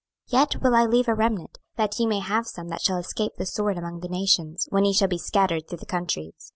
26:006:008 Yet will I leave a remnant, that ye may have some that shall escape the sword among the nations, when ye shall be scattered through the countries.